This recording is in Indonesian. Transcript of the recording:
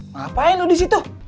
ngapain lo di situ